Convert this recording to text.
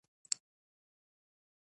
ازادي راډیو د د کار بازار بدلونونه څارلي.